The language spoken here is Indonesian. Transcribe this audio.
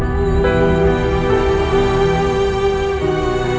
dimana kamu berada nak ribu